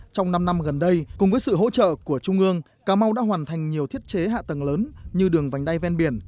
trong năm năm gần đây cùng với sự hỗ trợ của trung ương cà mau đã hoàn thành nhiều thiết chế hạ tầng lớn như đường vành đai ven biển